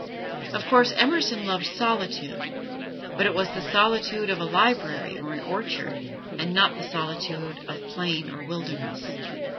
Of course, Emerson loved solitude, but it was the solitude of a library or an orchard, and not the solitude of plain or wilderness.